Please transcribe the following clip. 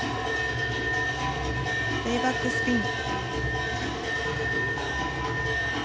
レイバックスピン。